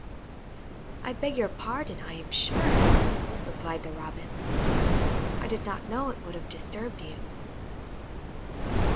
"I beg your pardon, I am sure," replied the Robin; "I did not know it would have disturbed you."